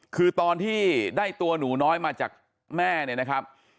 คือตอนที่ได้ตัวหนูน้อยมาจากแม่เนี่ยนะครับ